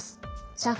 上海